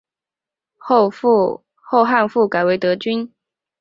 后汉复改成德军。